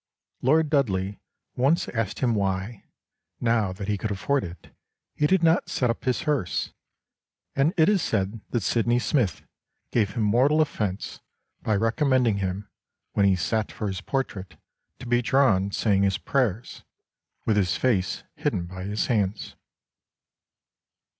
Lord Dudley once asked him why, now that he could afford it, he did not set up his hearse; and it is said that Sydney Smith gave him mortal offence by recommending him, 'when he sat for his portrait, to be drawn saying his prayers, with his face hidden by his hands.